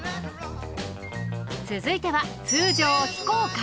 続いては通常非公開